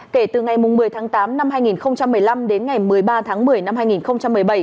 kể từ ngày một mươi tháng tám năm hai nghìn một mươi năm đến ngày một mươi ba tháng một mươi năm hai nghìn một mươi bảy